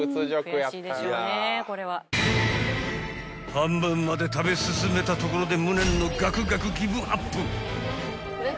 ［半分まで食べ進めたところで］